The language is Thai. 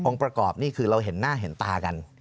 ประกอบนี่คือเราเห็นหน้าเห็นตากัน